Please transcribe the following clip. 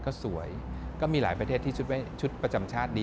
ก็สวยก็มีหลายประเทศที่ชุดประจำชาติดี